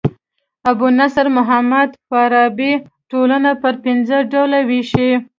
ابو نصر محمد فارابي ټولنه پر پنځه ډوله ويشي.